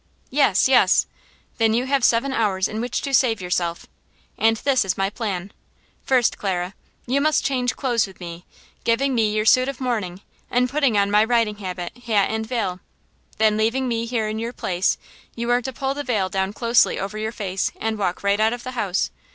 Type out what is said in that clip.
"Yes! Yes!" "Then you have seven hours in which to save yourself! And this is my plan: First, Clara, you must change clothes with me, giving me your suit of mourning and putting on my riding habit, hat and veil! Then, leaving me here in your place, you are to pull the veil down closely over your face and walk right out of the house!